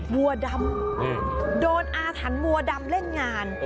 วัวดำโดนอาถรรพัวดำเล่นงาน